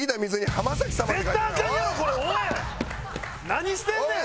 何してんねん！